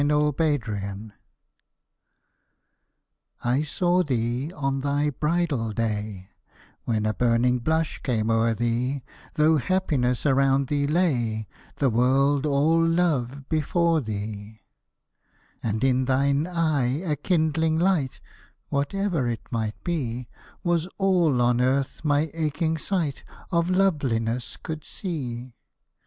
SONG I saw thee on thy bridal day When a burning blush came o'er thee, Though happiness around thee lay, The world all love before thee: And in thine eye a kindling light (Whatever it might be) Was all on Earth my aching sight Of Loveliness could see.